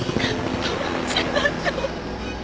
どうしましょう。